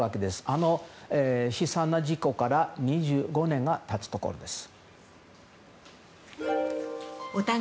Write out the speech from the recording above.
あの悲惨な事故から２５年が経つところです。